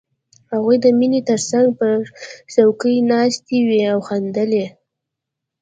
هغوی د مينې تر څنګ پر څوکۍ ناستې وې او خندلې